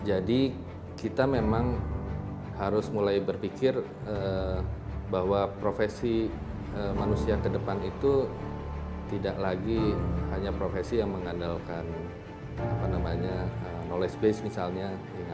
jadi kita memang harus mulai berpikir bahwa profesi manusia kedepan itu tidak lagi hanya profesi yang mengandalkan apa namanya knowledge base misalnya